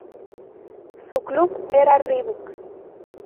Su club era Reebok.